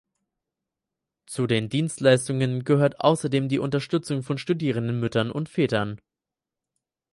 Zu den Dienstleistungen gehört außerdem die Unterstützung von studierenden Müttern und Vätern.